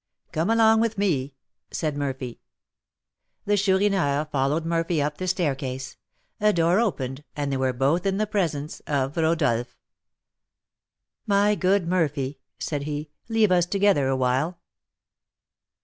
"Come along with me," said Murphy. The Chourineur followed Murphy up the staircase; a door opened, and they were both in the presence of Rodolph. "My good Murphy," said he, "leave us together awhile."